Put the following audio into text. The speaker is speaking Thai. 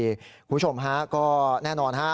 คุณผู้ชมฮะก็แน่นอนฮะ